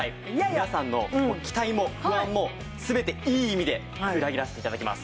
皆さんの期待も不安も全ていい意味で裏切らせて頂きます！